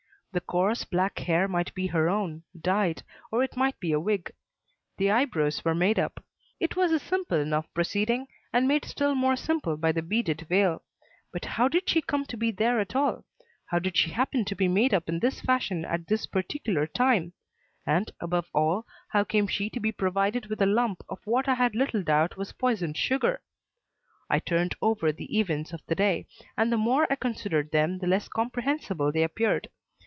The coarse, black hair might be her own, dyed, or it might be a wig. The eyebrows were made up; it was a simple enough proceeding and made still more simple by the beaded veil. But how did she come to be there at all? How did she happen to be made up in this fashion at this particular time? And, above all, how came she to be provided with a lump of what I had little doubt was poisoned sugar? I turned over the events of the day, and the more I considered them the less comprehensible they appeared.